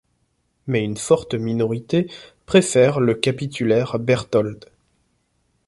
Mais une forte minorité préfère le capitulaire Berthold.